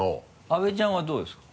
阿部ちゃんはどうですか？